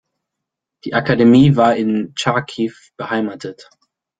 Die Akademie war in Charkiw beheimatet.